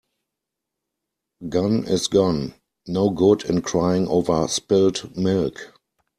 Gone is gone. No good in crying over spilt milk.